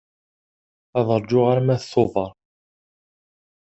Ad rǧuɣ arma d Tuber.